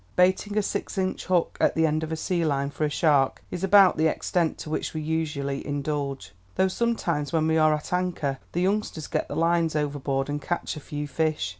Baiting a six inch hook at the end of a sea line for a shark is about the extent to which we usually indulge; though sometimes when we are at anchor the youngsters get the lines overboard and catch a few fish.